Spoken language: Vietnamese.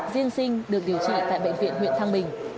riêng sinh được điều trị tại bệnh viện huyện thăng bình